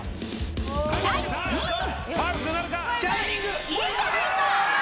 ［第２位］